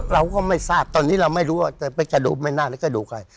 เราก็ไม่ทราบตอนนี้เราไม่รู้ว่าจะไปกระดูกไม่น่าหรือกระดูกใคร